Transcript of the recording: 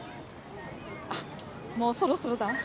あっもうそろそろだわ。